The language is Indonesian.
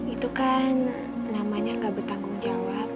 itu kan namanya nggak bertanggung jawab